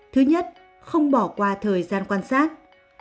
thứ nhất không bỏ qua thời gian quan sát